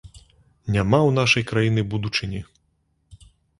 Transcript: Няма ў нашай краіны будучыні.